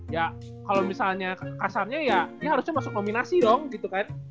ya kalau misalnya kasarnya ya ini harusnya masuk nominasi dong gitu kan